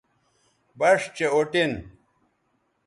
بَݜ چہء اُٹین